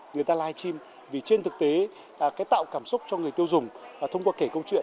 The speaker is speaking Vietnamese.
người ta live stream vì trên thực tế tạo cảm xúc cho người tiêu dùng thông qua kể câu chuyện